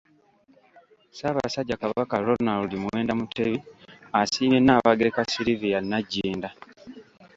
Ssaabasajja Kabaka Ronald Muwenda Mutebi asiimye Nnaabagereka Sylivia Nagginda.